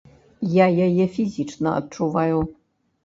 Я яе фізічна адчуваю.